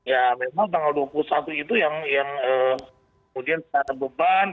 ya memang tanggal dua puluh satu itu yang kemudian secara beban